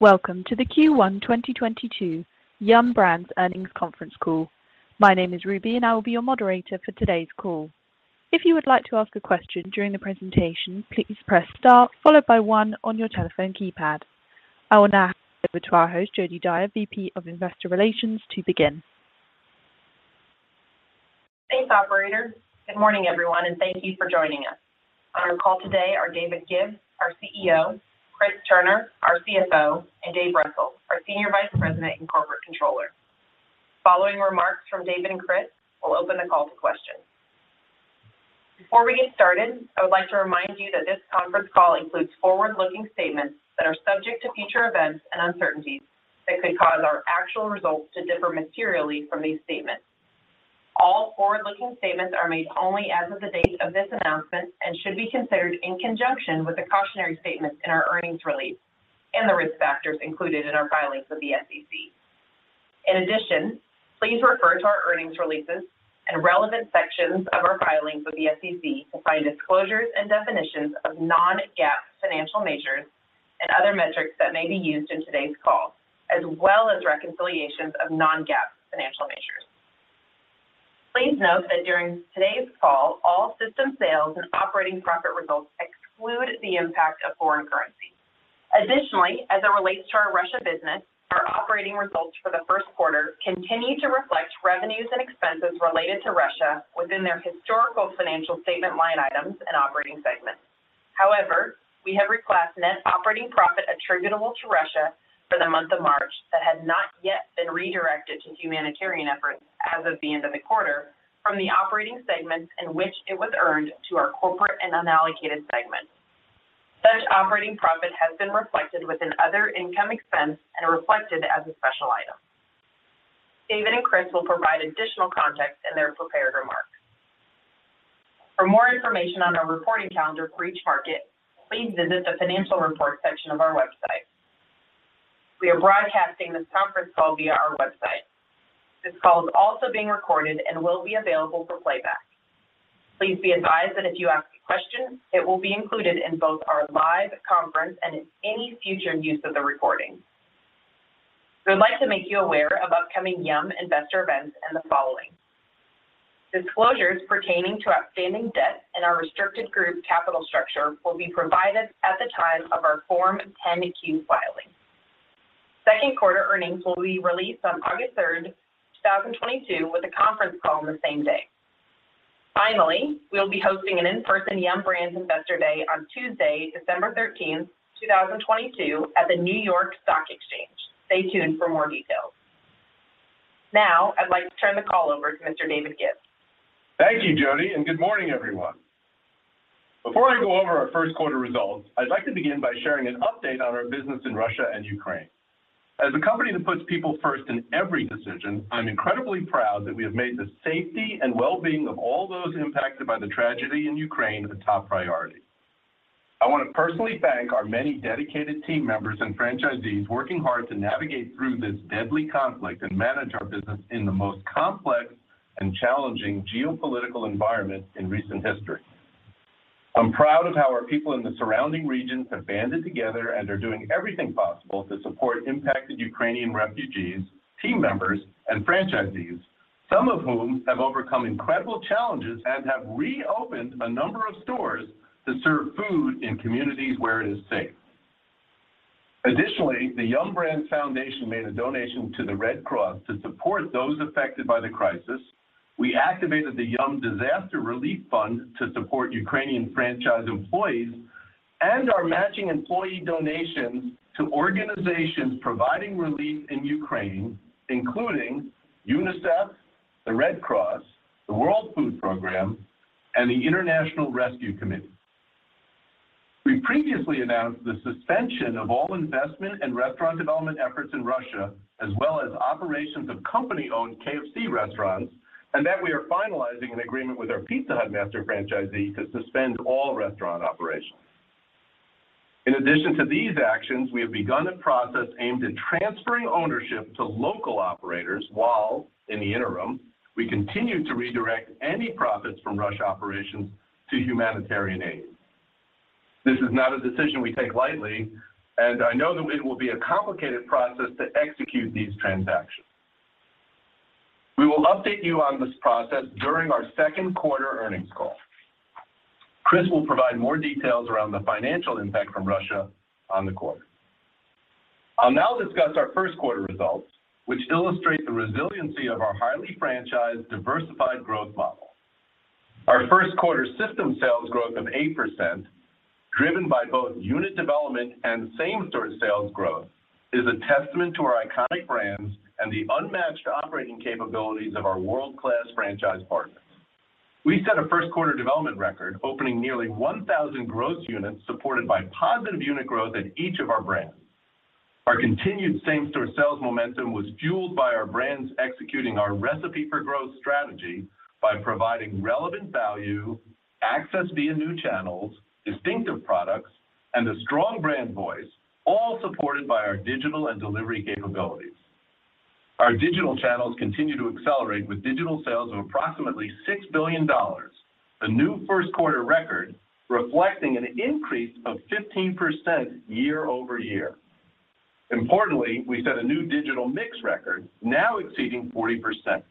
Welcome to the Q1 2022 Yum! Brands Earnings Conference Call. My name is Ruby, and I will be your moderator for today's call. If you would like to ask a question during the presentation, please press star followed by one on your telephone keypad. I will now hand it over to our host, Jodi Dyer, VP of Investor Relations, to begin. Thanks, operator. Good morning, everyone, and thank you for joining us. On our call today are David Gibbs, our CEO, Chris Turner, our CFO, and Dave Russell, our Senior Vice President and Corporate Controller. Following remarks from David and Chris, we'll open the call to questions. Before we get started, I would like to remind you that this Conference Call includes forward-looking statements that are subject to future events and uncertainties that could cause our actual results to differ materially from these statements. All forward-looking statements are made only as of the date of this announcement and should be considered in conjunction with the cautionary statements in our earnings release and the risk factors included in our filings with the SEC. In addition, please refer to our earnings releases and relevant sections of our filings with the SEC to find disclosures and definitions of non-GAAP financial measures and other metrics that may be used in today's call, as well as reconciliations of non-GAAP financial measures. Please note that during today's call, all system sales and operating profit results exclude the impact of foreign currency. Additionally, as it relates to our Russia business, our operating results for Q1 continue to reflect revenues and expenses-related to Russia within their historical financial statement line items and operating segments. However, we have reclassed net operating profit attributable to Russia for the month of March that had not yet been redirected to humanitarian efforts as of the end of the quarter from the operating segments in which it was earned to our corporate and unallocated segment. Such operating profit has been reflected within other income expense and reflected as a special item. David and Chris will provide additional context in their prepared remarks. For more information on our reporting calendar for each market, please visit the financial report section of our website. We are broadcasting this Conference Call via our website. This call is also being recorded and will be available for playback. Please be advised that if you ask a question, it will be included in both our live conference and in any future use of the recording. We would like to make you aware of upcoming Yum investor events in the following. Disclosures pertaining to outstanding debt and our restricted group capital structure will be provided at the time of our Form 10-Q filing. Q2 earnings will be released on August 3, 2022, with a Conference Call on the same day. Finally, we will be hosting an in-person Yum! Brands Investor Day on Tuesday, December 13, 2022, at the New York Stock Exchange. Stay tuned for more details. Now, I'd like to turn the call over to Mr. David Gibbs. Thank you, Jodi, and good morning, everyone. Before I go over our Q1 results, I'd like to begin by sharing an update on our business in Russia and Ukraine. As a company that puts people first in every decision, I'm incredibly proud that we have made the safety and well-being of all those impacted by the tragedy in Ukraine a top priority. I want to personally thank our many dedicated team members and franchisees working hard to navigate through this deadly conflict and manage our business in the most complex and challenging geopolitical environment in recent history. I'm proud of how our people in the surrounding regions have banded together and are doing everything possible to support impacted Ukrainian refugees, team members, and franchisees, some of whom have overcome incredible challenges and have reopened a number of stores to serve food in communities where it is safe. Additionally, the Yum! Brands Foundation made a donation to the Red Cross to support those affected by the crisis. We activated the Yum! Brands Disaster Relief Fund to support Ukrainian franchise employees and are matching employee donations to organizations providing relief in Ukraine, including UNICEF, the Red Cross, the World Food Programme, and the International Rescue Committee. We previously announced the suspension of all investment and restaurant development efforts in Russia, as well as operations of company-owned KFC restaurants, and that we are finalizing an agreement with our Pizza Hut master franchisee to suspend all restaurant operations. In addition to these actions, we have begun a process aimed at transferring ownership to local operators while, in the interim, we continue to redirect any profits from Russia operations to humanitarian aid. This is not a decision we take lightly, and I know that it will be a complicated process to execute these transactions. We will update you on this process during our Q2 earnings call. Chris will provide more details around the financial impact from Russia on the quarter. I'll now discuss our Q1 results, which illustrate the resiliency of our highly franchised, diversified growth model. Our Q1 system sales growth of 8%, driven by both unit development and same-store sales growth, is a testament to our iconic brands and the unmatched operating capabilities of our world-class franchise partners. We set a Q1 development record, opening nearly 1,000 growth units supported by positive unit growth at each of our brands. Our continued same-store sales momentum was fueled by our brands executing our Recipe for Growth strategy by providing relevant value, access via new channels, distinctive products, and a strong brand voice, all supported by our digital and delivery capabilities. Our digital channels continue to accelerate with digital sales of approximately $6 billion. A new Q1 record reflecting an increase of 15% year-over-year. Importantly, we set a new digital mix record, now exceeding 40%.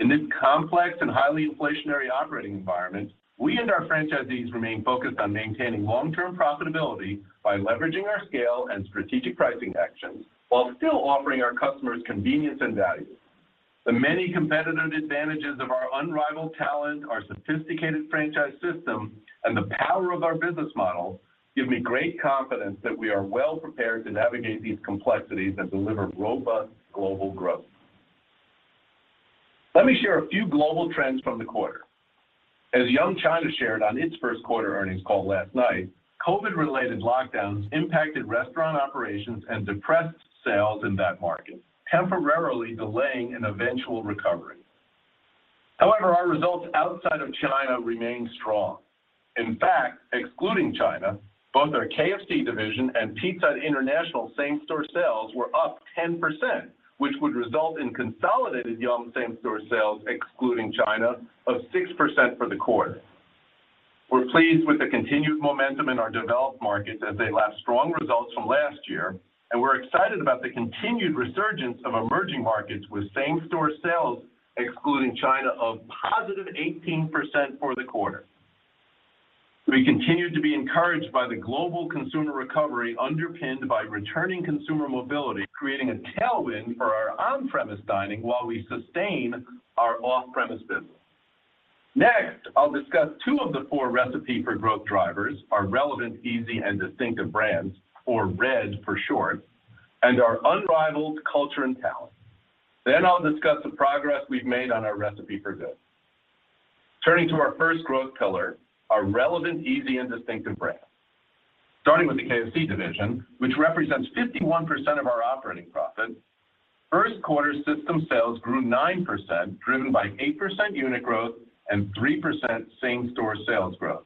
In this complex and highly inflationary operating environment, we and our franchisees remain focused on maintaining long-term profitability by leveraging our scale and strategic pricing actions while still offering our customers convenience and value. The many competitive advantages of our unrivaled talent, our sophisticated franchise system, and the power of our business model give me great confidence that we are well-prepared to navigate these complexities and deliver robust global growth. Let me share a few global trends from the quarter. As Yum China shared on its Q1 earnings call last night, COVID-related lockdowns impacted restaurant operations and depressed sales in that market, temporarily delaying an eventual recovery. However, our results outside of China remain strong. In fact, excluding China, both our KFC division and Pizza Hut International same-store sales were up 10% which would result in consolidated Yum same-store sales, excluding China, of 6% for the quarter. We're pleased with the continued momentum in our developed markets as they lap strong results from last year, and we're excited about the continued resurgence of emerging markets with same-store sales, excluding China, of positive 18% for the quarter. We continue to be encouraged by the global consumer recovery underpinned by returning consumer mobility, creating a tailwind for our on-premise dining while we sustain our off-premise business. Next, I'll discuss two of the four Recipe for Growth drivers, our Relevant, Easy, and Distinctive brands, or RED for short, and our unrivaled culture and talent. Then I'll discuss the progress we've made on our Recipe for Good. Turning to our first growth pillar, our Relevant, Easy, and Distinctive brands. Starting with the KFC division, which represents 51% of our operating profit, Q1 system sales grew 9%, driven by 8% unit growth and 3% same-store sales growth.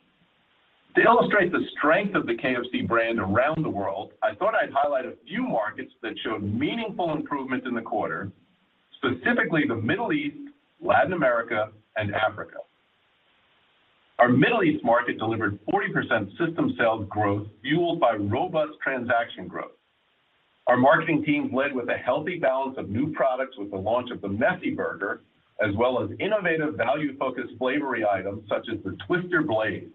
To illustrate the strength of the KFC brand around the world, I thought I'd highlight a few markets that showed meaningful improvement in the quarter, specifically the Middle East, Latin America, and Africa. Our Middle East market delivered 40% system sales growth, fueled by robust transaction growth. Our marketing teams led with a healthy balance of new products with the launch of the Messy Burger, as well as innovative, value-focused, flavory items such as the Twister Blade.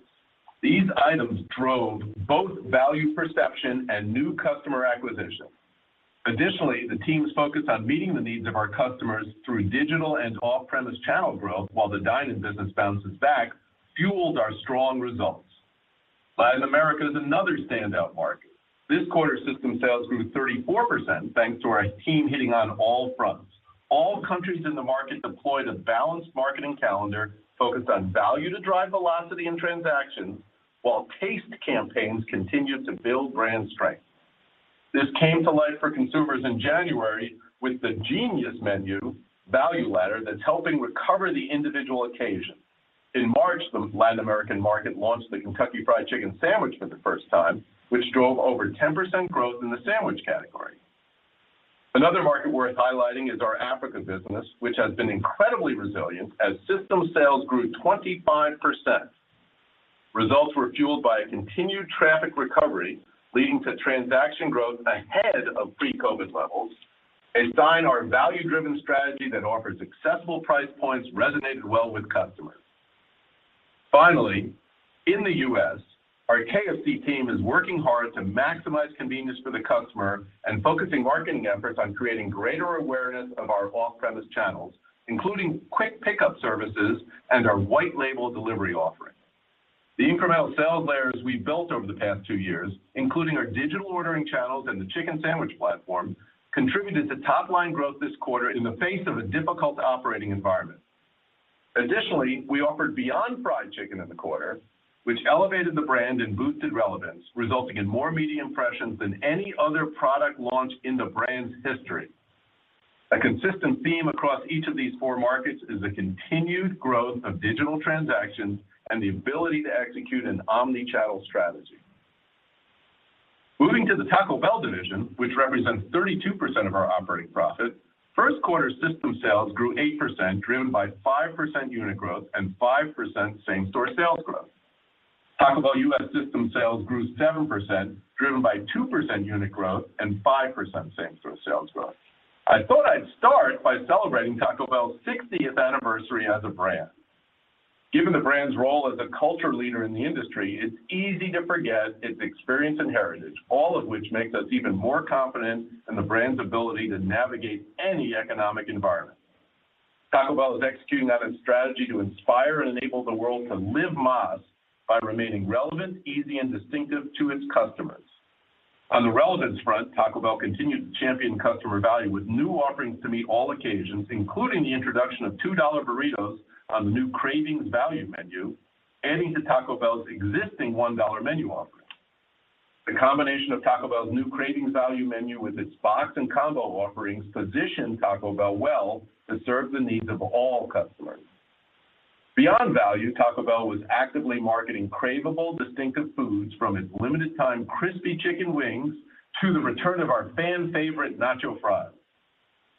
These items drove both value perception and new customer acquisition. Additionally, the teams focused on meeting the needs of our customers through digital and off-premise channel growth while the dine-in business bounces back, fueled our strong results. Latin America is another standout market. This quarter system sales grew 34%, thanks to our team hitting on all fronts. All countries in the market deployed a balanced marketing calendar focused on value to drive velocity and transactions, while taste campaigns continued to build brand strength. This came to life for consumers in January with the Genius Menu value ladder that's helping recover the individual occasion. In March, the Latin American market launched the Kentucky Fried Chicken sandwich for the first time, which drove over 10% growth in the sandwich category. Another market worth highlighting is our Africa business, which has been incredibly resilient as system sales grew 25%. Results were fueled by a continued traffic recovery, leading to transaction growth ahead of pre-COVID levels, and seeing our value-driven strategy that offers successful price points resonated well with customers. Finally, in the U.S., our KFC team is working hard to maximize convenience for the customer and focusing marketing efforts on creating greater awareness of our off-premise channels, including quick pickup services and our white label delivery offering. The incremental sales layers we've built over the past two years, including our digital ordering channels and the chicken sandwich platform, contributed to top-line growth this quarter in the face of a difficult operating environment. Additionally, we offered Beyond Fried Chicken in the quarter, which elevated the brand and boosted relevance, resulting in more media impressions than any other product launch in the brand's history. A consistent theme across each of these four markets is the continued growth of digital transactions and the ability to execute an omnichannel strategy. Moving to the Taco Bell division, which represents 32% of our operating profit, Q1 system sales grew 8%, driven by 5% unit growth and 5% same-store sales growth. Taco Bell U.S. system sales grew 7%, driven by 2% unit growth and 5% same-store sales growth. I thought I'd start by celebrating Taco Bell's sixtieth anniversary as a brand. Given the brand's role as a culture leader in the industry, it's easy to forget its experience and heritage, all of which makes us even more confident in the brand's ability to navigate any economic environment. Taco Bell is executing on its strategy to inspire and enable the world to Live Más by remaining relevant, easy, and distinctive to its customers. On the relevance front, Taco Bell continued to champion customer value with new offerings to meet all occasions, including the introduction of $2 burritos on the new Cravings Value Menu, adding to Taco Bell's existing $1 menu offerings. The combination of Taco Bell's new Cravings Value Menu with its box and combo offerings position Taco Bell well to serve the needs of all customers. Beyond value, Taco Bell was actively marketing craveable distinctive foods from its limited-time Crispy Chicken Wings to the return of our fan favorite Nacho Fries.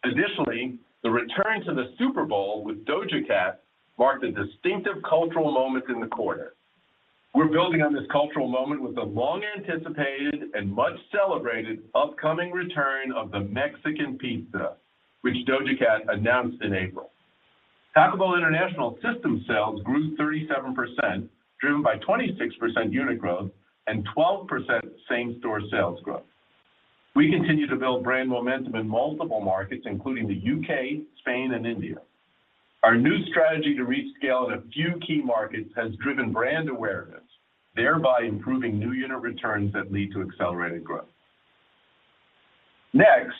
Additionally, the return to the Super Bowl with Doja Cat marked a distinctive cultural moment in the quarter. We're building on this cultural moment with the long anticipated and much celebrated upcoming return of the Mexican Pizza, which Doja Cat announced in April. Taco Bell International system sales grew 37%, driven by 26% unit growth and 12% same-store sales growth. We continue to build brand momentum in multiple markets, including the U.K., Spain, and India. Our new strategy to rescale in a few key markets has driven brand awareness, thereby improving new unit returns that lead to accelerated growth. Next,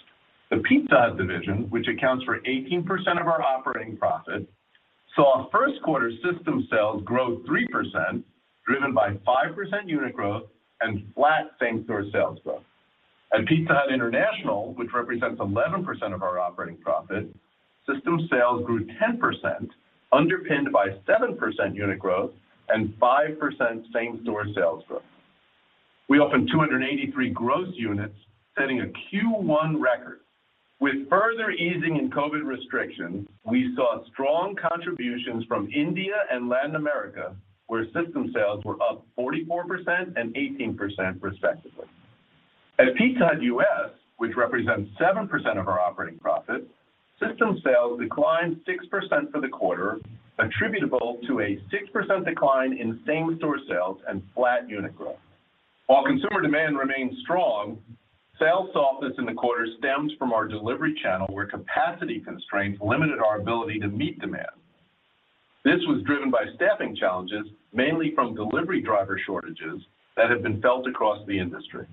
the Pizza Hut division, which accounts for 18% of our operating profit, saw Q1 system sales grow 3%, driven by 5% unit growth and flat same-store sales growth. At Pizza Hut International, which represents 11% of our operating profit, system sales grew 10%, underpinned by 7% unit growth and 5% same-store sales growth. We opened 283 growth units, setting a Q1 record. With further easing in COVID restrictions, we saw strong contributions from India and Latin America, where system sales were up 44% and 18% respectively. At Pizza Hut U.S., which represents 7% of our operating profit, system sales declined 6% for the quarter, attributable to a 6% decline in same-store sales and flat unit growth. While consumer demand remains strong, sales softness in the quarter stems from our delivery channel where capacity constraints limited our ability to meet demand. This was driven by staffing challenges, mainly from delivery driver shortages that have been felt across the industry.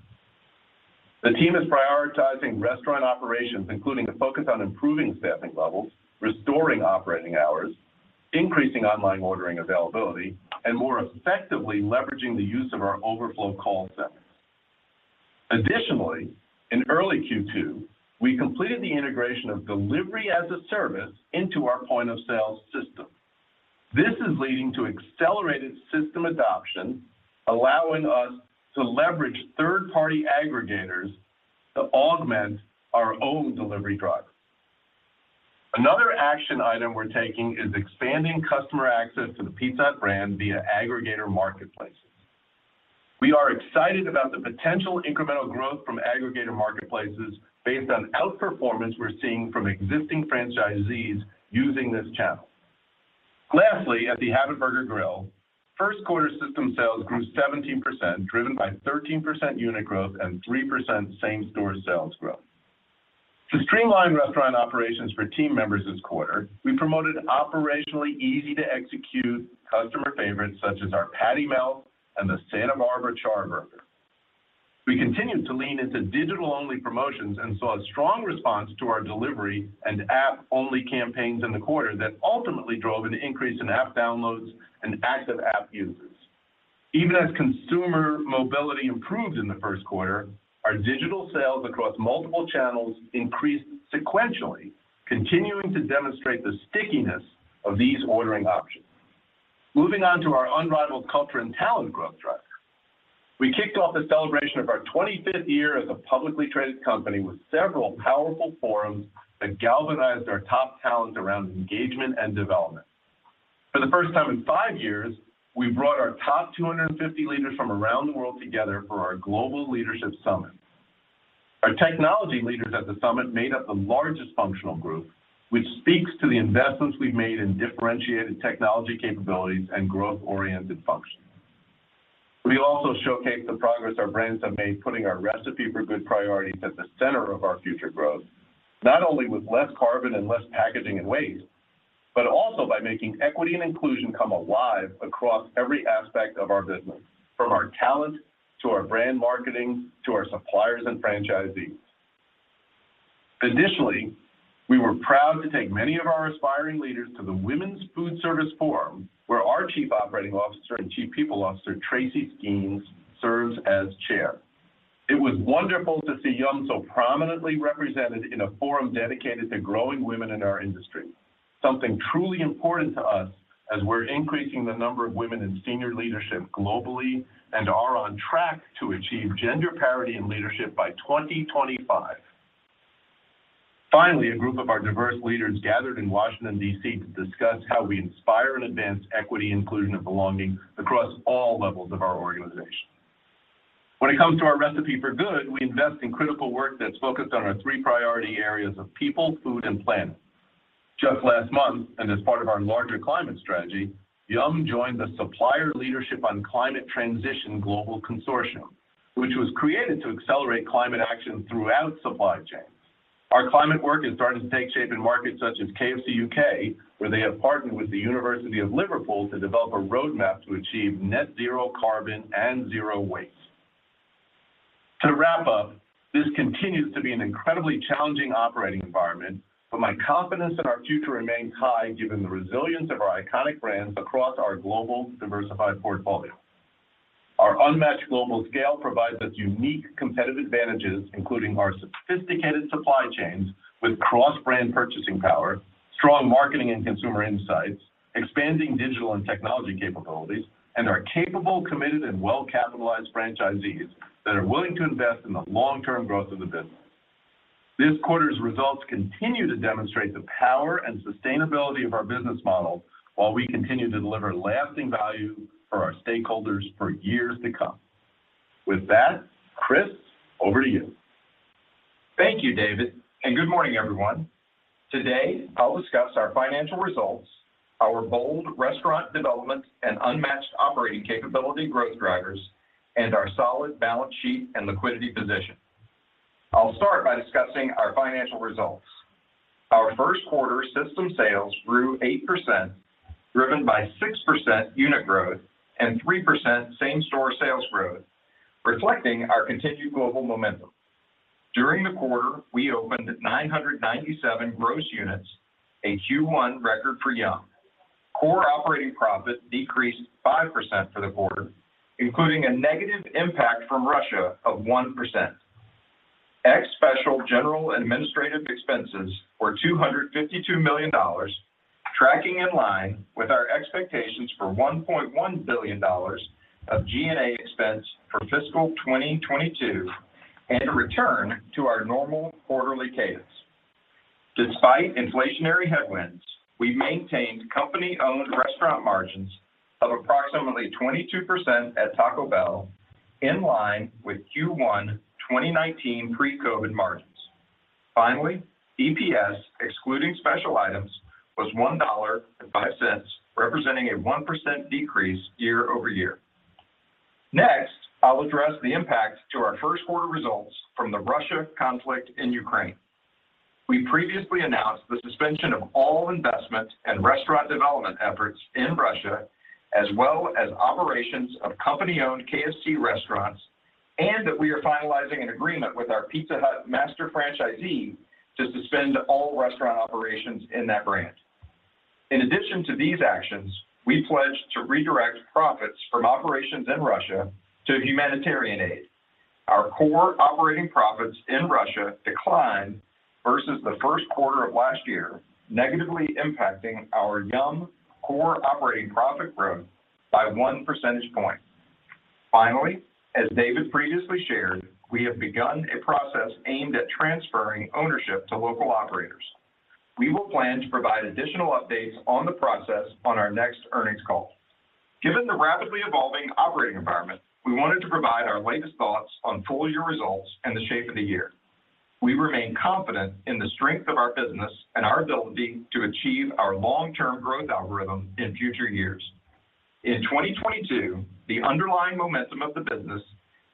The team is prioritizing restaurant operations, including a focus on improving staffing levels, restoring operating hours, increasing online ordering availability, and more effectively leveraging the use of our overflow call centers. Additionally, in early Q2, we completed the integration of delivery as a service into our point of sale system. This is leading to accelerated system adoption, allowing us to leverage third-party aggregators to augment our own delivery drivers. Another action item we're taking is expanding customer access to the Pizza Hut brand via aggregator marketplaces. We are excited about the potential incremental growth from aggregator marketplaces based on outperformance we're seeing from existing franchisees using this channel. Lastly, at The Habit Burger Grill, Q1 system sales grew 17%, driven by 13% unit growth and 3% same-store sales growth. To streamline restaurant operations for team members this quarter, we promoted operationally easy to execute customer favorites such as our Patty Melt and the Santa Barbara Char. We continued to lean into digital-only promotions and saw a strong response to our delivery and app-only campaigns in the quarter that ultimately drove an increase in app downloads and active app users. Even as consumer mobility improved in Q1, our digital sales across multiple channels increased sequentially, continuing to demonstrate the stickiness of these ordering options. Moving on to our unrivaled culture and talent growth driver. We kicked off the celebration of our 25th year as a publicly traded company with several powerful forums that galvanized our top talent around engagement and development. For the first time in 5-years, we brought our top 250 leaders from around the world together for our Global Leadership Summit. Our technology leaders at the summit made up the largest functional group, which speaks to the investments we've made in differentiated technology capabilities and growth-oriented functions. We also showcased the progress our brands have made putting our Recipe for Good priorities at the center of our future growth, not only with less carbon and less packaging and waste, but also by making equity and inclusion come alive across every aspect of our business, from our talent to our brand marketing to our suppliers and franchisees. Additionally, we were proud to take many of our aspiring leaders to the Women's Foodservice Forum, where our Chief Operating Officer and Chief People Officer, Tracy Skeans, serves as chair. It was wonderful to see Yum so prominently represented in a forum dedicated to growing women in our industry, something truly important to us as we're increasing the number of women in senior leadership globally and are on track to achieve gender parity in leadership by 2025. Finally, a group of our diverse leaders gathered in Washington, D.C., to discuss how we inspire and advance equity, inclusion and belonging across all levels of our organization. When it comes to our Recipe for Good, we invest in critical work that's focused on our three priority areas of people, food and planet. Just last month, and as part of our larger climate strategy, Yum joined the Supplier Leadership on Climate Transition, which was created to accelerate climate action throughout supply chains. Our climate work is starting to take shape in markets such as KFC UK, where they have partnered with the University of Liverpool to develop a roadmap to achieve net zero carbon and zero waste. To wrap up, this continues to be an incredibly challenging operating environment, but my confidence in our future remains high given the resilience of our iconic brands across our global diversified portfolio. Our unmatched global scale provides us unique competitive advantages, including our sophisticated supply chains with cross-brand purchasing power, strong marketing and consumer insights, expanding digital and technology capabilities, and our capable, committed, and well-capitalized franchisees that are willing to invest in the long-term growth of the business. This quarter's results continue to demonstrate the power and sustainability of our business model while we continue to deliver lasting value for our stakeholders for years to come. With that, Chris, over to you. Thank you, David, and good morning, everyone. Today, I'll discuss our financial results, our bold restaurant development and unmatched operating capability growth drivers, and our solid balance sheet and liquidity position. I'll start by discussing our financial results. Our Q1 system sales grew 8%, driven by 6% unit growth and 3% same-store sales growth, reflecting our continued global momentum. During the quarter, we opened 997 gross units, a Q1 record for Yum. Core operating profit decreased 5% for the quarter, including a negative impact from Russia of 1%. Ex special general and administrative expenses were $252 million, tracking in line with our expectations for $1.1 billion of G&A expense for fiscal 2022 and a return to our normal quarterly cadence. Despite inflationary headwinds, we maintained company-owned restaurant margins of approximately 22% at Taco Bell, in line with Q1 2019 pre-COVID margins. Finally, EPS, excluding special items, was $1.05, representing a 1% decrease year-over-year. Next, I'll address the impact to our Q1 results from the Russia conflict in Ukraine. We previously announced the suspension of all investment and restaurant development efforts in Russia, as well as operations of company-owned KFC restaurants, and that we are finalizing an agreement with our Pizza Hut master franchisee to suspend all restaurant operations in that brand. In addition to these actions, we pledge to redirect profits from operations in Russia to humanitarian aid. Our core operating profits in Russia declined versus Q1 of last year, negatively impacting our Yum core operating profit growth by 1 percentage point. Finally, as David previously shared, we have begun a process aimed at transferring ownership to local operators. We will plan to provide additional updates on the process on our next earnings call. Given the rapidly evolving operating environment, we wanted to provide our latest thoughts on full-year results and the shape of the year. We remain confident in the strength of our business and our ability to achieve our long-term growth algorithm in future years. In 2022, the underlying momentum of the business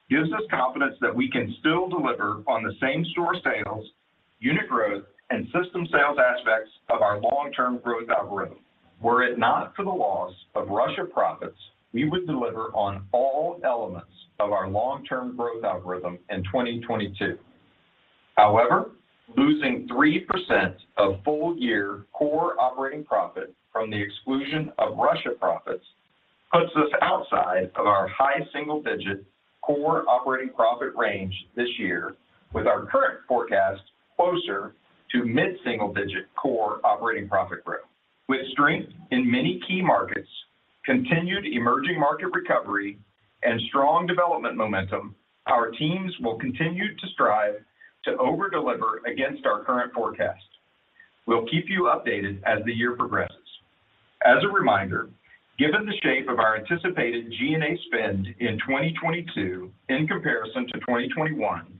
gives us confidence that we can still deliver on the same store sales, unit growth, and system sales aspects of our long-term growth algorithm. Were it not for the loss of Russia profits, we would deliver on all elements of our long-term growth algorithm in 2022. However, losing 3% of full-year core operating profit from the exclusion of Russia profits puts us outside of our high-single-digit core operating profit range this year with our current forecast closer to mid-single-digit core operating profit growth. With strength in many key markets, continued emerging market recovery, and strong development momentum, our teams will continue to strive to over-deliver against our current forecast. We'll keep you updated as the year progresses. As a reminder, given the shape of our anticipated G&A spend in 2022 in comparison to 2021,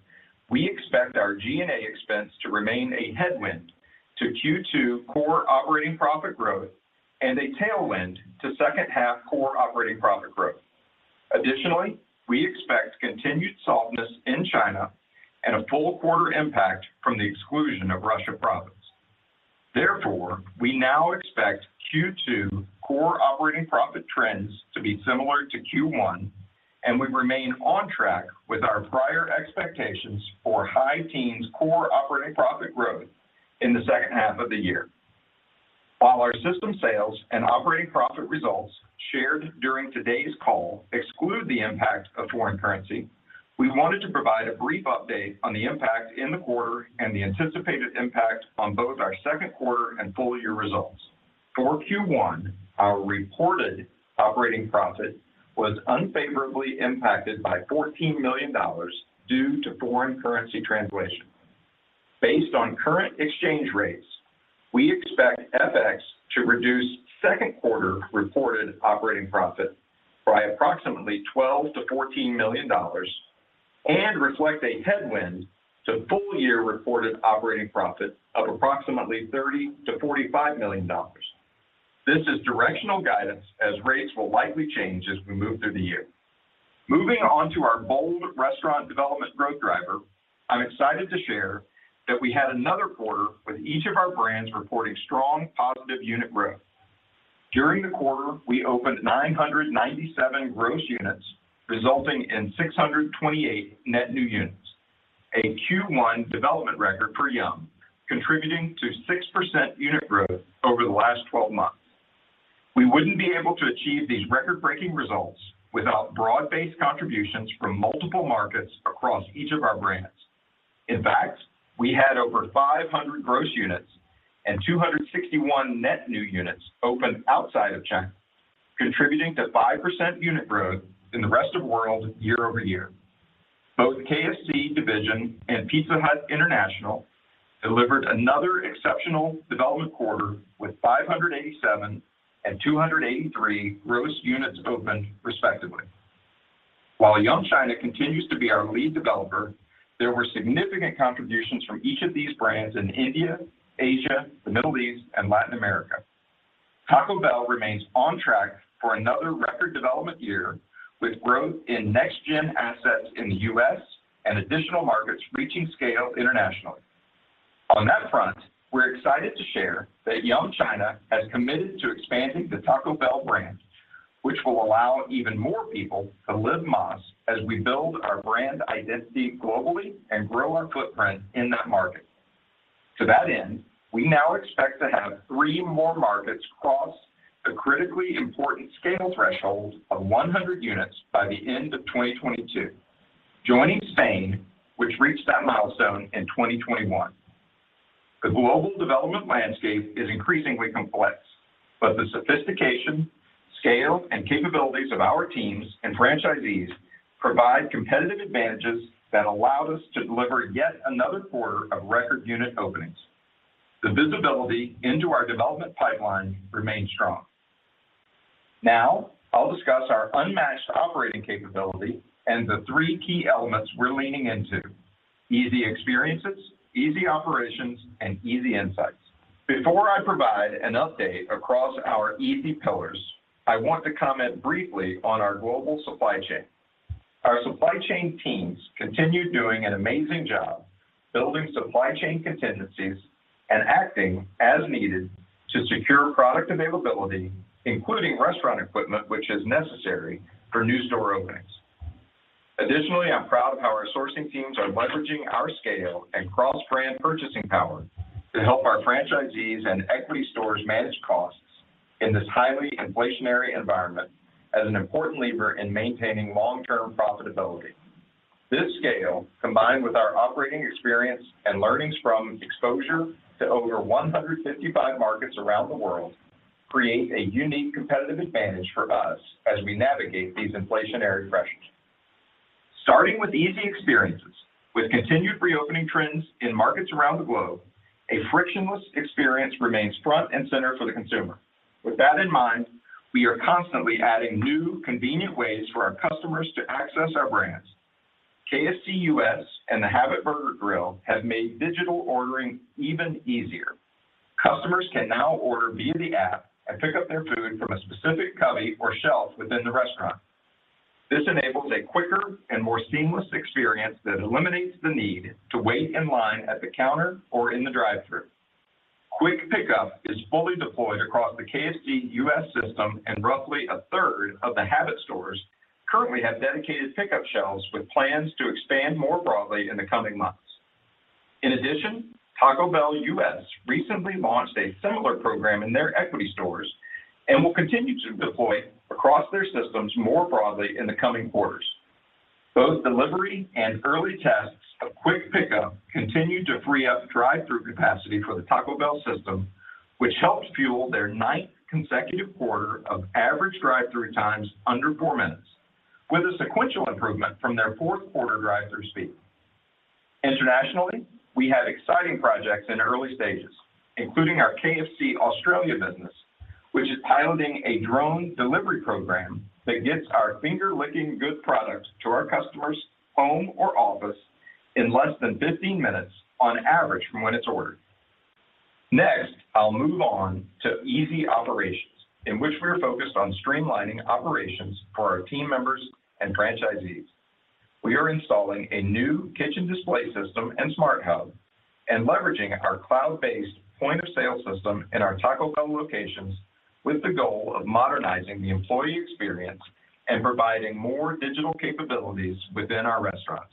we expect our G&A expense to remain a headwind to Q2 core operating profit growth and a tailwind to second half core operating profit growth. Additionally, we expect continued softness in China and a full quarter impact from the exclusion of Russia profits. Therefore, we now expect Q2 core operating profit trends to be similar to Q1, and we remain on track with our prior expectations for high teens% core operating profit growth in the second half of the year. While our system sales and operating profit results shared during today's call exclude the impact of foreign currency, we wanted to provide a brief update on the impact in the quarter and the anticipated impact on both our Q2 and full-year results. For Q1, our reported operating profit was unfavorably impacted by $14 million due to foreign currency translation. Based on current exchange rates, we expect FX to reduce Q2 reported operating profit by approximately $12-$14 million and reflect a headwind to full- year reported operating profit of approximately $30-$45 million. This is directional guidance as rates will likely change as we move through the year. Moving on to our bold restaurant development growth driver, I'm excited to share that we had another quarter with each of our brands reporting strong positive unit growth. During the quarter, we opened 997 gross units, resulting in 628 net new units. A Q1 development record for Yum! contributing to 6% unit growth over the last 12 months. We wouldn't be able to achieve these record-breaking results without broad-based contributions from multiple markets across each of our brands. In fact, we had over 500 gross units and 261 net new units opened outside of China, contributing to 5% unit growth in the rest of world year-over-year. Both KFC division and Pizza Hut International delivered another exceptional development quarter with 587 and 283 gross units opened respectively. While Yum China continues to be our lead developer, there were significant contributions from each of these brands in India, Asia, the Middle East, and Latin America. Taco Bell remains on track for another record development year with growth in next-gen assets in the U.S. and additional markets reaching scale internationally. On that front, we're excited to share that Yum China has committed to expanding the Taco Bell brand, which will allow even more people to Live Más as we build our brand identity globally and grow our footprint in that market. To that end, we now expect to have 3 more markets cross the critically important scale threshold of 100 units by the end of 2022. Joining Spain, which reached that milestone in 2021. The global development landscape is increasingly complex, but the sophistication, scale, and capabilities of our teams and franchisees provide competitive advantages that allowed us to deliver yet another quarter of record unit openings. The visibility into our development pipeline remains strong. Now, I'll discuss our unmatched operating capability and the three key elements we're leaning into easy experiences, easy operations, and easy insights. Before I provide an update across our easy pillars, I want to comment briefly on our global supply chain. Our supply chain teams continue doing an amazing job building supply chain contingencies and acting as needed to secure product availability, including restaurant equipment, which is necessary for new store openings. Additionally, I'm proud of how our sourcing teams are leveraging our scale and cross-brand purchasing power to help our franchisees and equity stores manage costs in this highly inflationary environment as an important lever in maintaining long-term profitability. This scale, combined with our operating experience and learnings from exposure to over 155 markets around the world, create a unique competitive advantage for us as we navigate these inflationary pressures. Starting with easy experiences, with continued reopening trends in markets around the globe, a frictionless experience remains front and center for the consumer. With that in mind, we are constantly adding new, convenient ways for our customers to access our brands. KFC U.S. and The Habit Burger Grill have made digital ordering even easier. Customers can now order via the app and pick up their food from a specific cubby or shelf within the restaurant. This enables a quicker and more seamless experience that eliminates the need to wait in line at the counter or in the drive-thru. Quick pickup is fully deployed across the KFC U.S. system, and roughly a third of The Habit stores currently have dedicated pickup shelves with plans to expand more broadly in the coming months. In addition, Taco Bell U.S. recently launched a similar program in their equity stores and will continue to deploy across their systems more broadly in the coming quarters. Both delivery and early tests of quick pickup continue to free up drive-thru capacity for the Taco Bell system, which helps fuel their ninth consecutive quarter of average drive-thru times under four minutes with a sequential improvement from their Q4 drive-thru speed. Internationally, we have exciting projects in early stages, including our KFC Australia business, which is piloting a drone delivery program that gets our finger-licking good products to our customer's home or office in less than 15 minutes on average from when it's ordered. Next, I'll move on to easy operations, in which we are focused on streamlining operations for our team members and franchisees. We are installing a new kitchen display system and smart hub and leveraging our cloud-based point of sale system in our Taco Bell locations with the goal of modernizing the employee experience and providing more digital capabilities within our restaurants.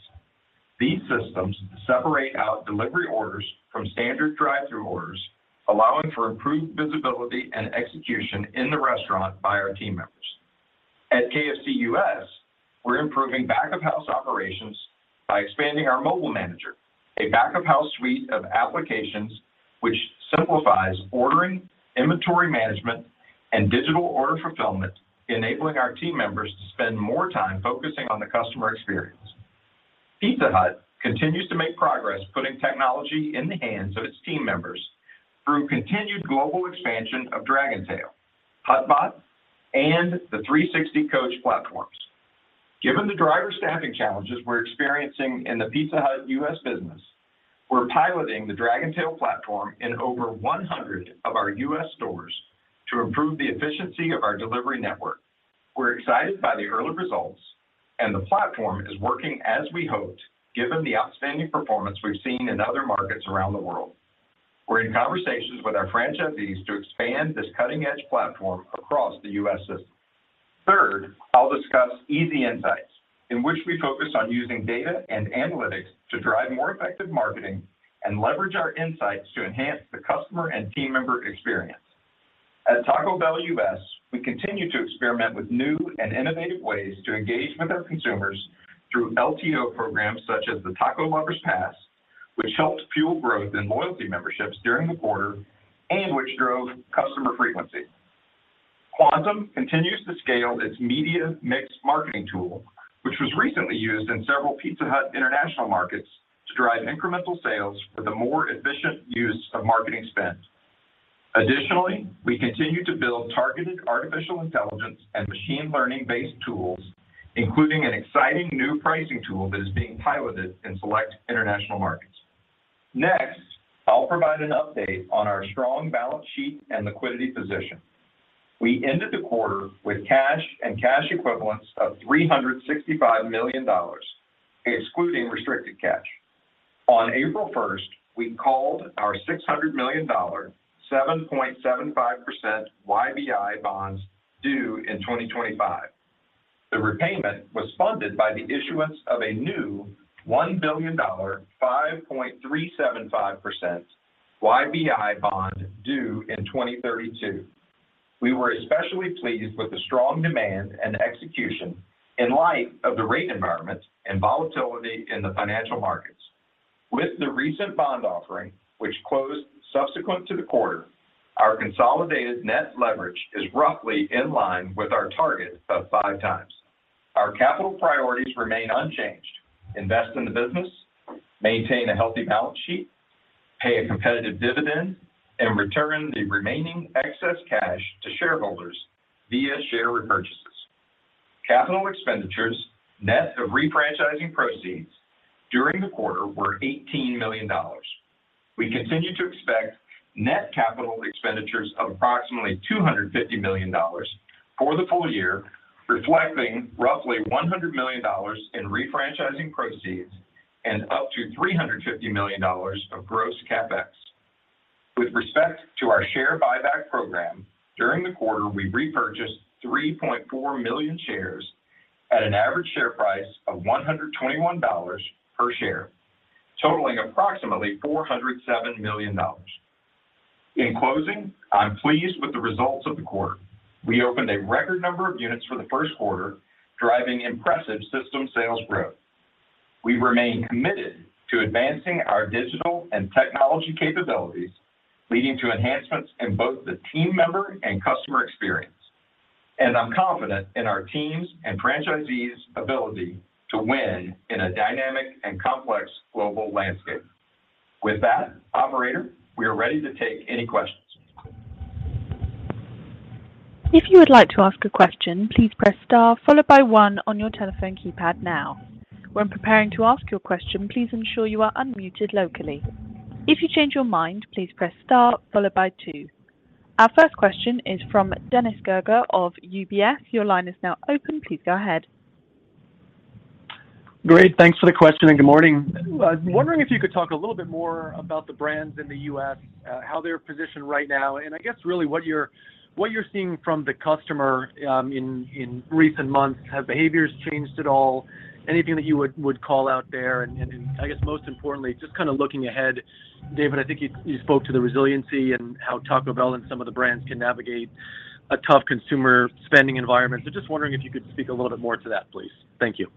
These systems separate out delivery orders from standard drive-thru orders, allowing for improved visibility and execution in the restaurant by our team members. At KFC U.S., we're improving back of house operations by expanding our mobile manager, a back of house suite of applications which simplifies ordering, inventory management, and digital order fulfillment, enabling our team members to spend more time focusing on the customer experience. Pizza Hut continues to make progress putting technology in the hands of its team members through continued global expansion of Dragontail, HutBot, and the 360 Coach platforms. Given the driver staffing challenges we're experiencing in the Pizza Hut U.S. business, we're piloting the Dragontail platform in over 100 of our U.S. stores to improve the efficiency of our delivery network. We're excited by the early results, and the platform is working as we hoped, given the outstanding performance we've seen in other markets around the world. We're in conversations with our franchisees to expand this cutting-edge platform across the U.S. system. Third, I'll discuss easy insights, in which we focus on using data and analytics to drive more effective marketing and leverage our insights to enhance the customer and team member experience. At Taco Bell U.S., we continue to experiment with new and innovative ways to engage with our consumers through LTO programs such as the Taco Lover's Pass, which helped fuel growth in loyalty memberships during the quarter and which drove customer frequency. Kvantum continues to scale its media mix marketing tool, which was recently used in several Pizza Hut International markets to drive incremental sales for the more efficient use of marketing spend. Additionally, we continue to build targeted artificial intelligence and machine learning-based tools, including an exciting new pricing tool that is being piloted in select international markets. Next, I'll provide an update on our strong balance sheet and liquidity position. We ended the quarter with cash and cash equivalents of $365 million, excluding restricted cash. On April 1, we called our $600 million, 7.75% YBI bonds due in 2025. The repayment was funded by the issuance of a new $1 billion, 5.375% YBI bond due in 2032. We were especially pleased with the strong demand and execution in light of the rate environment and volatility in the financial markets. With the recent bond offering, which closed subsequent to the quarter, our consolidated net leverage is roughly in line with our target of 5x. Our capital priorities remain unchanged. Invest in the business, maintain a healthy balance sheet, pay a competitive dividend, and return the remaining excess cash to shareholders via share repurchases. Capital expenditures, net of refranchising proceeds during the quarter were $18 million. We continue to expect net capital expenditures of approximately $250 million for the full-year, reflecting roughly $100 million in refranchising proceeds and up to $350 million of gross CapEx. With respect to our share buyback program, during the quarter, we repurchased 3.4 million shares at an average share price of $121 per share, totaling approximately $407 million. In closing, I'm pleased with the results of the quarter. We opened a record number of units for Q1, driving impressive system sales growth. We remain committed to advancing our digital and technology capabilities, leading to enhancements in both the team member and customer experience. I'm confident in our teams and franchisees' ability to win in a dynamic and complex global landscape. With that, operator, we are ready to take any questions. If you would like to ask a question, please press star followed by one on your telephone keypad now. When preparing to ask your question, please ensure you are unmuted locally. If you change your mind, please press star followed by two. Our first question is from Dennis Geiger of UBS. Your line is now open. Please go ahead. Great. Thanks for the question, and good morning. I was wondering if you could talk a little bit more about the brands in the U.S., how they're positioned right now, and I guess really what you're seeing from the customer, in recent months. Have behaviors changed at all? Anything that you would call out there. I guess most importantly, just kinda looking ahead, David, I think you spoke to the resiliency and how Taco Bell and some of the brands can navigate a tough consumer spending environment. Just wondering if you could speak a little bit more to that, please. Thank you.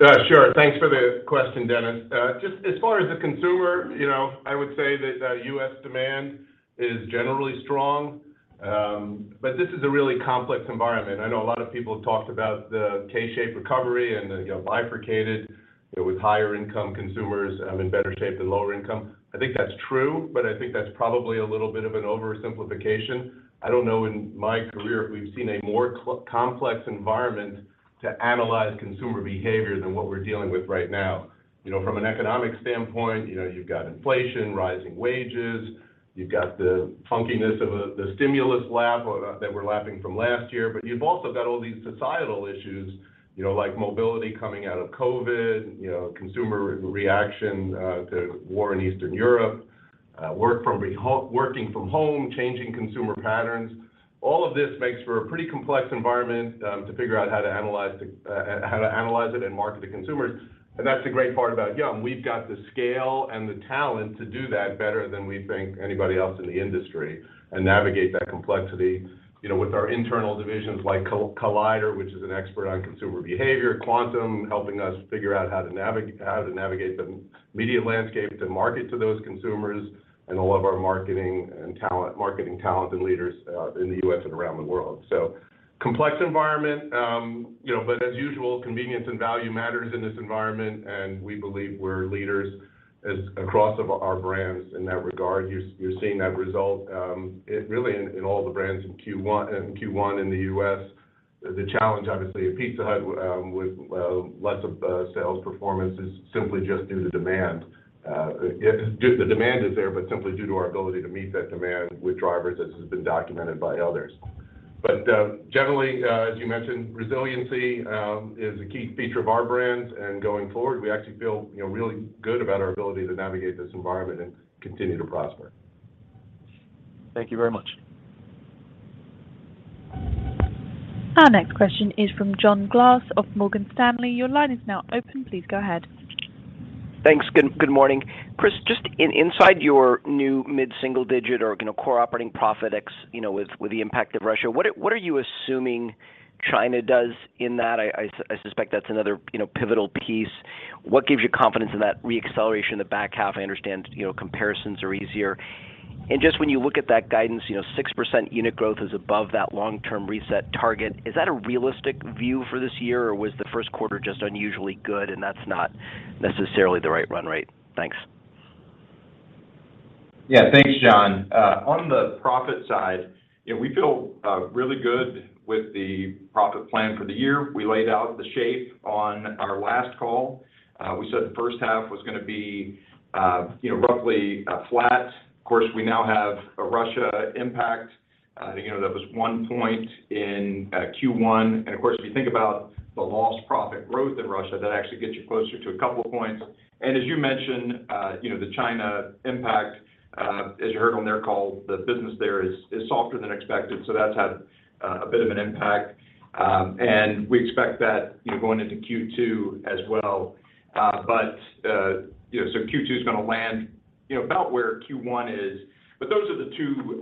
Yeah, sure. Thanks for the question, Dennis. Just as far as the consumer, you know, I would say that, U.S. demand is generally strong, but this is a really complex environment. I know a lot of people have talked about the K-shaped recovery and the, you know, bifurcated, you know, with higher income consumers, in better shape than lower income. I think that's true, but I think that's probably a little bit of an oversimplification. I don't know in my career if we've seen a more complex environment to analyze consumer behavior than what we're dealing with right now. You know, from an economic standpoint, you know, you've got inflation, rising wages, you've got the funkiness of the stimulus lap that we're lapping from last year, but you've also got all these societal issues, you know, like mobility coming out of COVID, you know, consumer reaction to war in Eastern Europe, working from home, changing consumer patterns. All of this makes for a pretty complex environment to figure out how to analyze it and market to consumers. That's the great part about Yum. We've got the scale and the talent to do that better than we think anybody else in the industry and navigate that complexity, you know, with our internal divisions like Collider Lab, which is an expert on consumer behavior, Kvantum, helping us figure out how to navigate the media landscape to market to those consumers, and all of our marketing and talent, marketing talent and leaders in the U.S. and around the world. Complex environment, but as usual, convenience and value matters in this environment, and we believe we're leaders across our brands in that regard. You're seeing that result really in all the brands in Q1 in the U.S. The challenge obviously at Pizza Hut with less of sales performance is simply just due to demand. Just the demand is there, but simply due to our ability to meet that demand with drivers as has been documented by others. Generally, as you mentioned, resiliency is a key feature of our brands, and going forward, we actually feel, you know, really good about our ability to navigate this environment and continue to prosper. Thank you very much. Our next question is from John Glass of Morgan Stanley. Your line is now open. Please go ahead. Thanks. Good morning. Chris, just inside your new mid-single-digit or, you know, core operating profit ex with the impact of Russia, what are you assuming China does in that? I suspect that's another, you know, pivotal piece. What gives you confidence in that re-acceleration in the back half? I understand, you know, comparisons are easier. Just when you look at that guidance, you know, 6% unit growth is above that long-term reset target. Is that a realistic view for this year, or was Q1 just unusually good and that's not necessarily the right run rate? Thanks. Yeah. Thanks, John. On the profit side, you know, we feel really good with the profit plan for the year. We laid out the shape on our last call. We said the first half was gonna be, you know, roughly flat. Of course, we now have a Russia impact. You know, that was 1 point in Q1. Of course, if you think about the lost profit growth in Russia, that actually gets you closer to a couple points. As you mentioned, you know, the China impact, as you heard on their call, the business there is softer than expected, so that's had a bit of an impact. We expect that, you know, going into Q2 as well. You know, Q2 is gonna land, you know, about where Q1 is. Those are the two,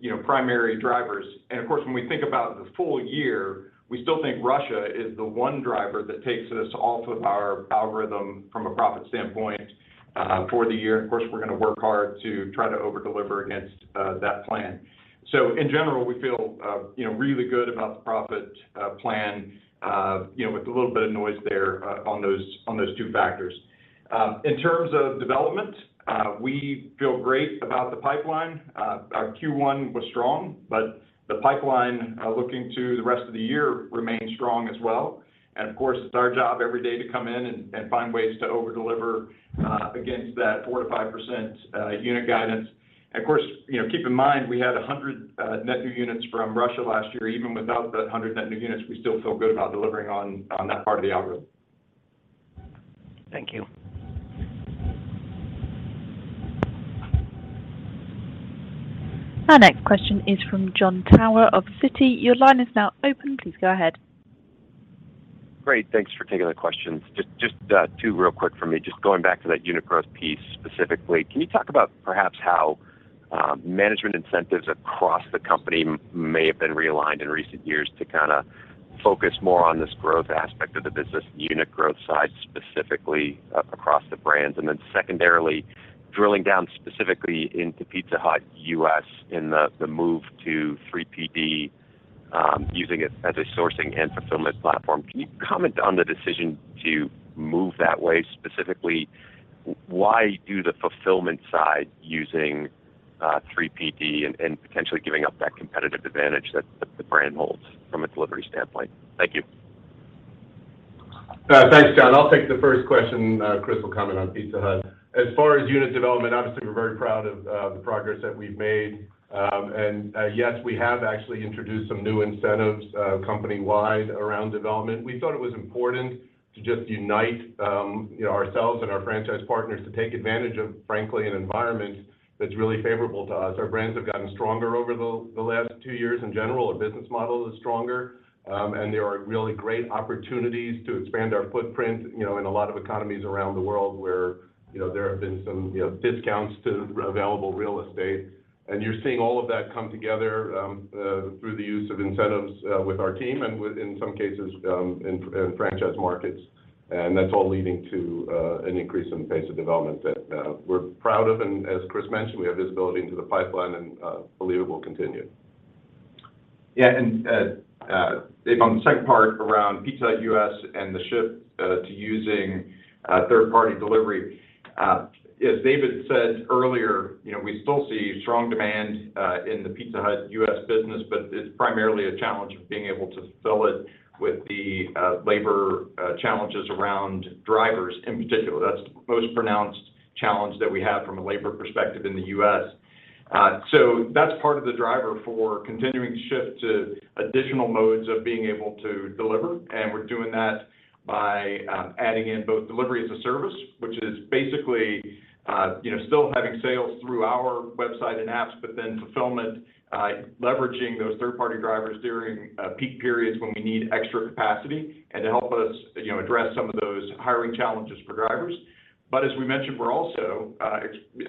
you know, primary drivers. Of course, when we think about the full-year, we still think Russia is the one driver that takes us off of our algorithm from a profit standpoint for the year. Of course, we're gonna work hard to try to over-deliver against that plan. In general, we feel you know, really good about the profit plan you know, with a little bit of noise there on those two factors. In terms of development, we feel great about the pipeline. Our Q1 was strong, but the pipeline looking to the rest of the year remains strong as well. Of course, it's our job every day to come in and find ways to over-deliver against that 4%-5% unit guidance. Of course, you know, keep in mind, we had 100 net new units from Russia last year. Even without the 100 net new units, we still feel good about delivering on that part of the algorithm. Thank you. Our next question is from Jon Tower of Citi. Your line is now open. Please go ahead. Great. Thanks for taking the questions. Just two real quick from me. Just going back to that unit growth piece specifically, can you talk about perhaps how management incentives across the company may have been realigned in recent years to kinda focus more on this growth aspect of the business, unit growth side specifically, across the brands? Then secondarily, drilling down specifically into Pizza Hut U.S. in the move to 3PD, using it as a sourcing and fulfillment platform, can you comment on the decision to move that way? Specifically, why do the fulfillment side using 3PD and potentially giving up that competitive advantage that the brand holds from a delivery standpoint? Thank you. Thanks, John. I'll take the first question. Chris will comment on Pizza Hut. As far as unit development, obviously we're very proud of the progress that we've made. Yes, we have actually introduced some new incentives company-wide around development. We thought it was important to just unite you know ourselves and our franchise partners to take advantage of, frankly, an environment that's really favorable to us. Our brands have gotten stronger over the last two years in general. Our business model is stronger, and there are really great opportunities to expand our footprint, you know, in a lot of economies around the world where, you know, there have been some you know discounts to available real estate. You're seeing all of that come together through the use of incentives with our team and with, in some cases, in franchise markets. That's all leading to an increase in the pace of development that we're proud of. As Chris mentioned, we have visibility into the pipeline and believe it will continue. Yeah. Dave, on the second part around Pizza Hut U.S. and the shift to using third-party delivery, as David said earlier, you know, we still see strong demand in the Pizza Hut U.S. business, but it's primarily a challenge of being able to fulfill it with the labor challenges around drivers in particular. That's the most pronounced challenge that we have from a labor perspective in the U.S. That's part of the driver for continuing to shift to additional modes of being able to deliver, and we're doing that by adding in both Delivery as a Service, which is basically, you know, still having sales through our website and apps, but then fulfillment leveraging those third-party drivers during peak periods when we need extra capacity and to help us, you know, address some of those hiring challenges for drivers. But as we mentioned, we're also,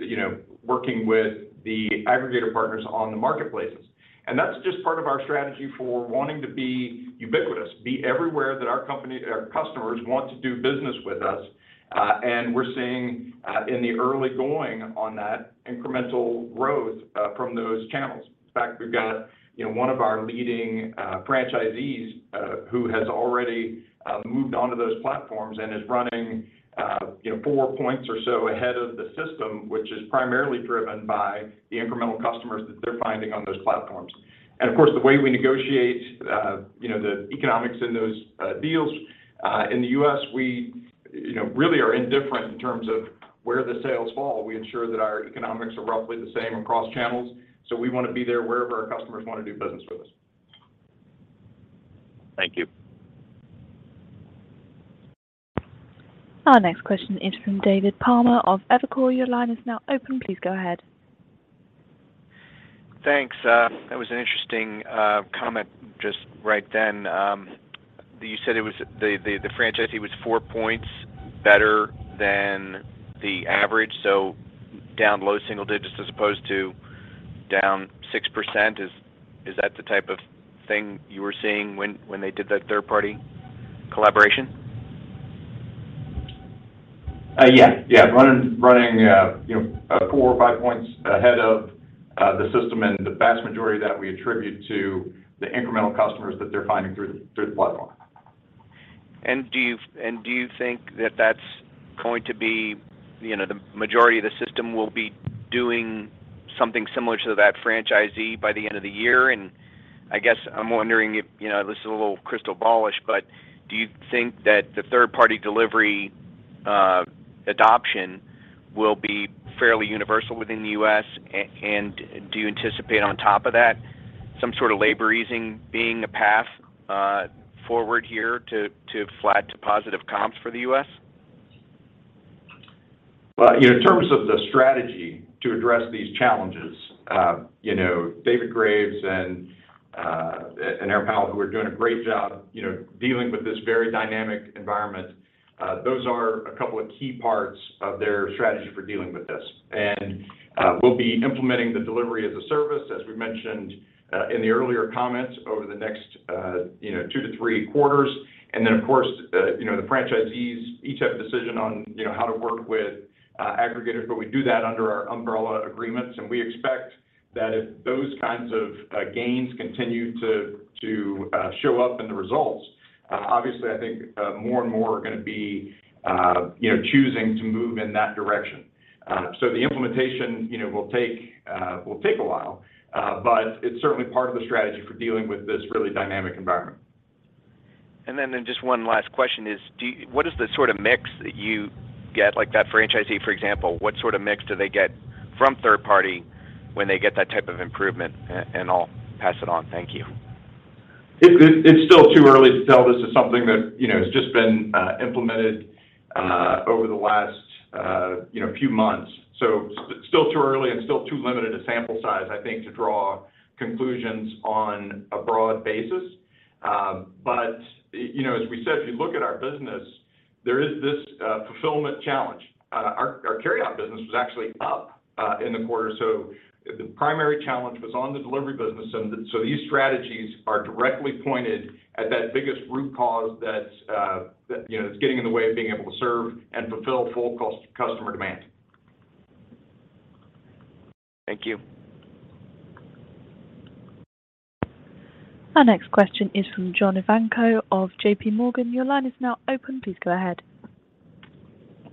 you know, working with the aggregator partners on the marketplaces. That's just part of our strategy for wanting to be ubiquitous, be everywhere that our company, our customers want to do business with us. And we're seeing in the early going on that, incremental growth from those channels. In fact, we've got, you know, one of our leading, franchisees, who has already, moved onto those platforms and is running, you know, 4 points or so ahead of the system, which is primarily driven by the incremental customers that they're finding on those platforms. Of course, the way we negotiate, you know, the economics in those, deals, in the U.S., we, you know, really are indifferent in terms of where the sales fall. We ensure that our economics are roughly the same across channels. We wanna be there wherever our customers wanna do business with us. Thank you. Our next question is from David Palmer of Evercore ISI. Your line is now open. Please go ahead. Thanks. That was an interesting comment just right then. You said the franchisee was 4 points better than the average, so down low-single-digit as opposed to down 6%. Is that the type of thing you were seeing when they did that third-party collaboration? Running, you know, 4 or 5 points ahead of the system, and the vast majority of that we attribute to the incremental customers that they're finding through the platform. Do you think that that's going to be, you know, the majority of the system will be doing something similar to that franchisee by the end of the year? I guess I'm wondering if, you know, this is a little crystal ball-ish, but do you think that the third-party delivery adoption will be fairly universal within the U.S., and do you anticipate on top of that, some sort of labor easing being a path forward here to flat to positive comps for the U.S.? Well, you know, in terms of the strategy to address these challenges, you know, David Graves and Aaron Powell, who are doing a great job, you know, dealing with this very dynamic environment, those are a couple of key parts of their strategy for dealing with this. We'll be implementing the Delivery as a Service, as we mentioned, in the earlier comments over the next, you know, 2 to 3 quarters. Of course, you know, the franchisees each have a decision on, you know, how to work with aggregators, but we do that under our umbrella agreements. We expect that if those kinds of gains continue to show up in the results, obviously, I think, more and more are gonna be, you know, choosing to move in that direction. The implementation, you know, will take a while, but it's certainly part of the strategy for dealing with this really dynamic environment. Just one last question is what is the sort of mix that you get, like that franchisee, for example, what sort of mix do they get from third party when they get that type of improvement? And I'll pass it on. Thank you. It's still too early to tell. This is something that, you know, has just been implemented over the last, you know, few months. Still too early and still too limited a sample size, I think, to draw conclusions on a broad basis. You know, as we said, if you look at our business, there is this fulfillment challenge. Our carryout business was actually up in the quarter, so the primary challenge was on the delivery business. These strategies are directly pointed at that biggest root cause that's, you know, that's getting in the way of being able to serve and fulfill full customer demand. Thank you. Our next question is from John Ivankoe of J.P. Morgan. Your line is now open. Please go ahead.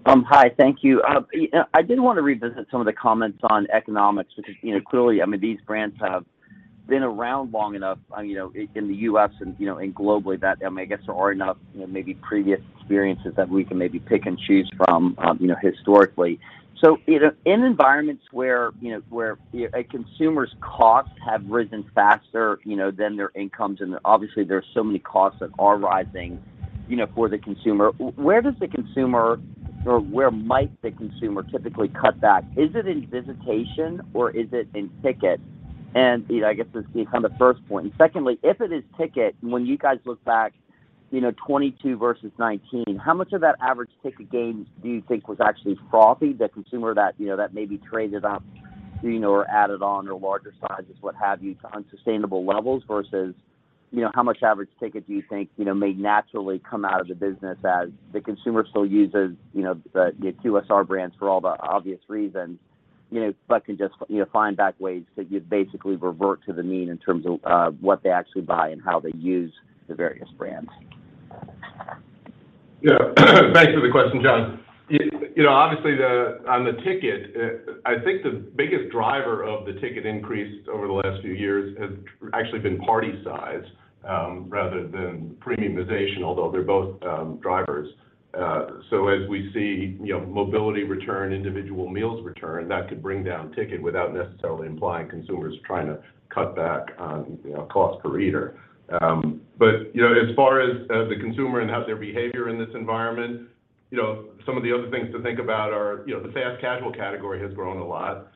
Hi. Thank you. I did want to revisit some of the comments on economics, which is, you know, clearly, I mean, these brands have been around long enough, you know, in the U.S. and globally that, I guess there are enough, you know, maybe previous experiences that we can maybe pick and choose from, you know, historically. You know, in environments where a consumer's costs have risen faster, you know, than their incomes, and obviously there are so many costs that are rising, you know, for the consumer, where does the consumer or where might the consumer typically cut back? Is it in visitation or is it in ticket? You know, I guess this is kind of the first point. Secondly, if it is ticket, and when you guys look back, you know, 2022 versus 2019, how much of that average ticket gain do you think was actually frothy, the consumer that, you know, that maybe traded up, you know, or added on, or larger sizes what have you to unsustainable levels versus, you know, how much average ticket do you think, you know, may naturally come out of the business as the consumer still uses, you know, the QSR brands for all the obvious reasons, you know, but can just, you know, find back ways that you'd basically revert to the mean in terms of what they actually buy and how they use the various brands? Yeah. Thanks for the question, John. You know, obviously on the ticket, I think the biggest driver of the ticket increase over the last few years has actually been party size, rather than premiumization, although they're both drivers. As we see, you know, mobility return, individual meals return, that could bring down ticket without necessarily implying consumers are trying to cut back on, you know, cost per eater. You know, as far as the consumer and how their behavior in this environment, you know, some of the other things to think about are, you know, the fast casual category has grown a lot.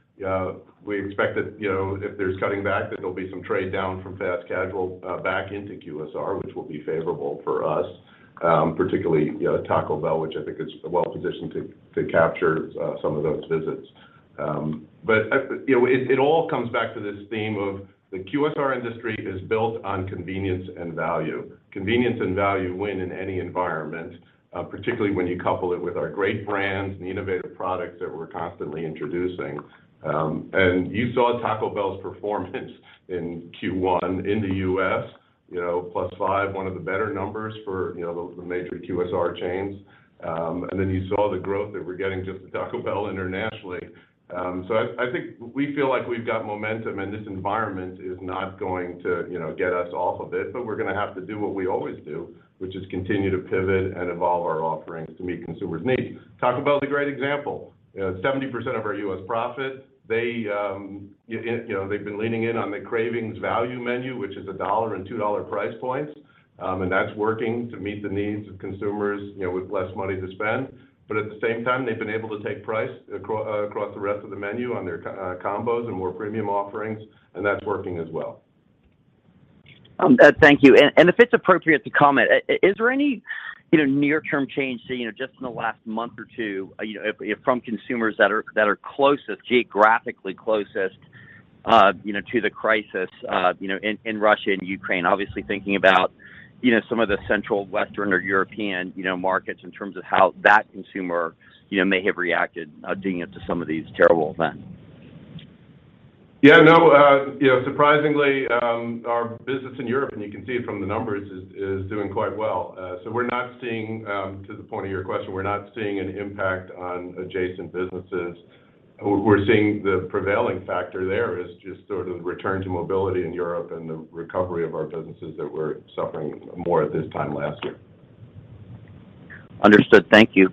We expect that, you know, if there's cutting back, that there'll be some trade down from fast casual back into QSR, which will be favorable for us, particularly, you know, Taco Bell, which I think is well-positioned to capture some of those visits. You know, it all comes back to this theme of the QSR industry is built on convenience and value. Convenience and value win in any environment, particularly when you couple it with our great brands and the innovative products that we're constantly introducing. You saw Taco Bell's performance in Q1 in the U.S., you know, +5%, one of the better numbers for, you know, the major QSR chains. You saw the growth that we're getting just with Taco Bell internationally. I think we feel like we've got momentum, and this environment is not going to, you know, get us off of it, but we're gonna have to do what we always do, which is continue to pivot and evolve our offerings to meet consumers' needs. Taco Bell is a great example. 70% of our U.S. profit, they've been leaning in on the Cravings Value Menu, which is a $1 and $2 price points, and that's working to meet the needs of consumers, you know, with less money to spend. At the same time, they've been able to take price across the rest of the menu on their combos and more premium offerings, and that's working as well. Thank you. If it's appropriate to comment, is there any, you know, near-term change, you know, just in the last month or two, you know, from consumers that are geographically closest, you know, to the crisis, you know, in Russia and Ukraine? Obviously thinking about, you know, some of the central western or European, you know, markets in terms of how that consumer, you know, may have reacted due to some of these terrible events. Yeah, no, you know, surprisingly, our business in Europe, and you can see it from the numbers, is doing quite well. We're not seeing, to the point of your question, we're not seeing an impact on adjacent businesses. We're seeing the prevailing factor there is just sort of return to mobility in Europe and the recovery of our businesses that were suffering more at this time last year. Understood. Thank you.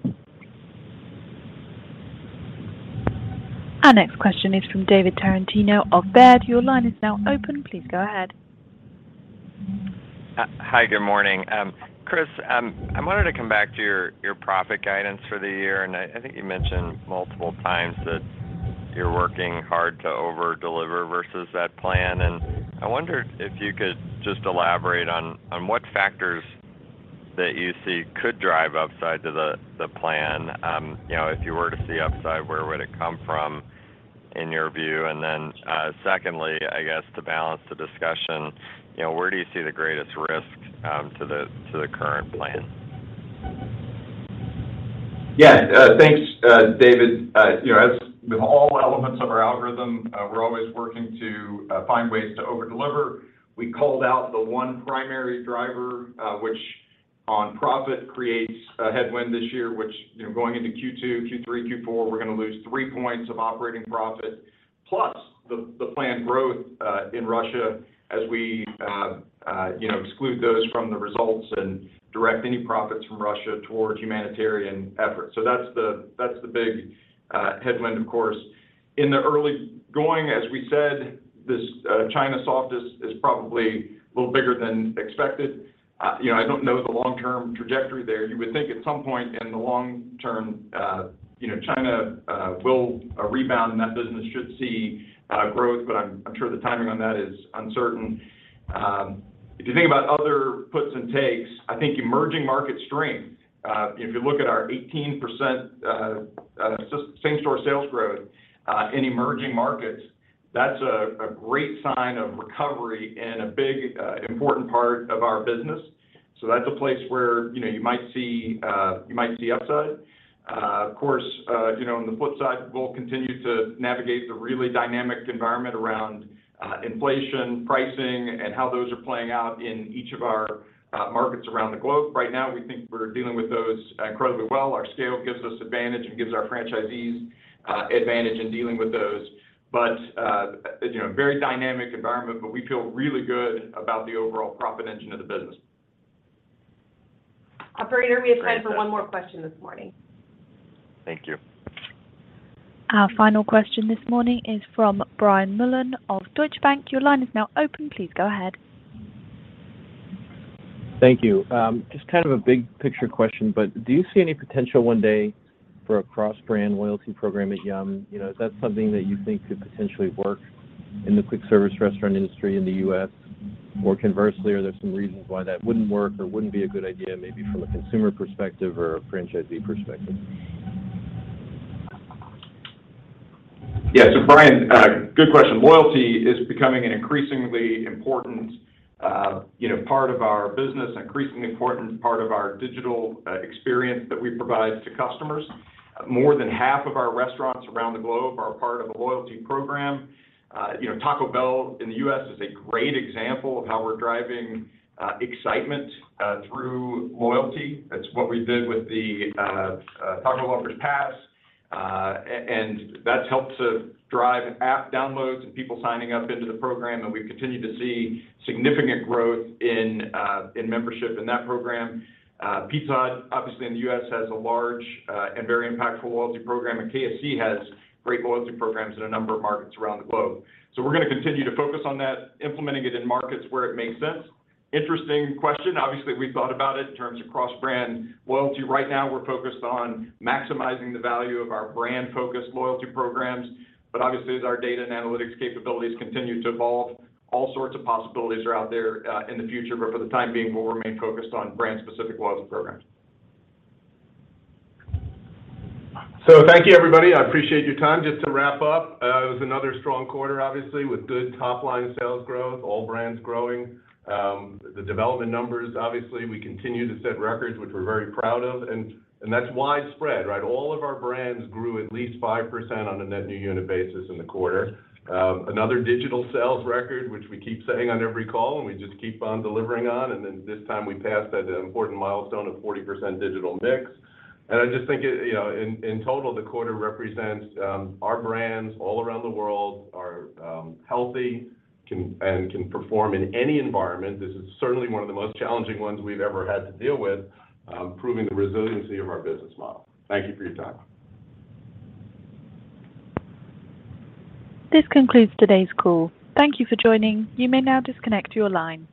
Our next question is from David Tarantino of Baird. Your line is now open. Please go ahead. Hi, good morning. Chris, I wanted to come back to your profit guidance for the year. I think you mentioned multiple times that you're working hard to over-deliver versus that plan. I wonder if you could just elaborate on what factors that you see could drive upside to the plan. You know, if you were to see upside, where would it come from, in your view? Then, secondly, I guess to balance the discussion, you know, where do you see the greatest risk to the current plan? Yeah. Thanks, David. You know, as with all elements of our algorithm, we're always working to find ways to over-deliver. We called out the one primary driver, which on profit creates a headwind this year, which, you know, going into Q2, Q3, Q4, we're gonna lose 3 points of operating profit, plus the planned growth in Russia as we, you know, exclude those from the results and direct any profits from Russia towards humanitarian efforts. So that's the big headwind, of course. In the early going, as we said, this China softness is probably a little bigger than expected. You know, I don't know the long-term trajectory there. You would think at some point in the long-term, you know, China will rebound and that business should see growth, but I'm sure the timing on that is uncertain. If you think about other puts and takes, I think emerging market strength. If you look at our 18% same-store sales growth in emerging markets, that's a great sign of recovery and a big important part of our business. So that's a place where, you know, you might see upside. Of course, you know, on the flip side, we'll continue to navigate the really dynamic environment around inflation, pricing, and how those are playing out in each of our markets around the globe. Right now, we think we're dealing with those incredibly well. Our scale gives us advantage and gives our franchisees advantage in dealing with those. You know, very dynamic environment, but we feel really good about the overall profit engine of the business. Operator, we have time for one more question this morning. Thank you. Our final question this morning is from Brian Mullan of Deutsche Bank. Your line is now open. Please go ahead. Thank you. Just kind of a big picture question, but do you see any potential one day for a cross-brand loyalty program at Yum? You know, is that something that you think could potentially work in the quick service restaurant industry in the U.S.? Or conversely, are there some reasons why that wouldn't work or wouldn't be a good idea, maybe from a consumer perspective or a franchisee perspective? Yeah. Brian, good question. Loyalty is becoming an increasingly important, you know, part of our business, increasingly important part of our digital experience that we provide to customers. More than half of our restaurants around the globe are part of a loyalty program. Taco Bell in the U.S. is a great example of how we're driving excitement through loyalty. That's what we did with the Taco Lover's Pass. That's helped to drive app downloads and people signing up into the program, and we've continued to see significant growth in membership in that program. Pizza Hut, obviously in the U.S., has a large and very impactful loyalty program, and KFC has great loyalty programs in a number of markets around the globe. We're gonna continue to focus on that, implementing it in markets where it makes sense. Interesting question. Obviously, we've thought about it in terms of cross-brand loyalty. Right now we're focused on maximizing the value of our brand-focused loyalty programs, but obviously as our data and analytics capabilities continue to evolve, all sorts of possibilities are out there in the future. For the time being, we'll remain focused on brand-specific loyalty programs. Thank you, everybody. I appreciate your time. Just to wrap up, it was another strong quarter, obviously, with good top line sales growth, all brands growing. The development numbers, obviously, we continue to set records, which we're very proud of, and that's widespread, right? All of our brands grew at least 5% on a net new unit basis in the quarter. Another digital sales record, which we keep saying on every call and we just keep on delivering on. Then this time we passed that important milestone of 40% digital mix. I just think it, you know, in total, the quarter represents our brands all around the world are healthy and can perform in any environment. This is certainly one of the most challenging ones we've ever had to deal with, proving the resiliency of our business model. Thank you for your time. This concludes today's call. Thank you for joining. You may now disconnect your line.